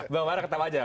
bang bara ketawa aja